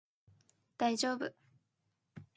Day job.